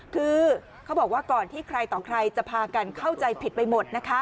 คือเขาบอกว่าก่อนที่ใครต่อใครจะพากันเข้าใจผิดไปหมดนะคะ